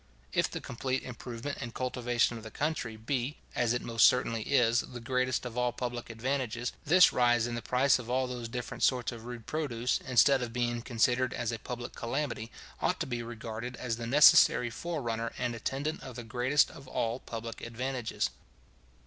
If the complete improvement and cultivation of the country be, as it most certainly is, the greatest of all public advantages, this rise in the price of all those different sorts of rude produce, instead of being considered as a public calamity, ought to be regarded as the necessary forerunner and attendant of the greatest of all public advantages.